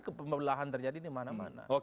kebelahan terjadi di mana mana